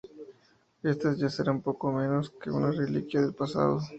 éstas ya serán poco menos que una reliquia del pasado